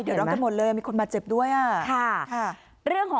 เดือดร้อนกันหมดเลยมีคนมาเจ็บด้วยอะค่ะค่ะเรื่องของคุณเนี่ย